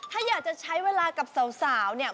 ถ้าอยากจะใช้เวลากับสาวเนี่ย